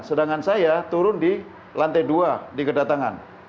sedangkan saya turun di lantai dua di kedatangan